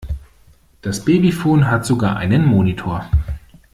Das Babyfon hat sogar einen Monitor.